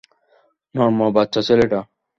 Norm, বাচ্চা ছেলেটা!